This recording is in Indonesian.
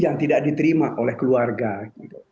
yang tidak diterima oleh keluarga gitu